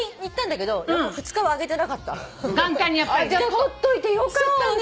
撮っといてよかったね。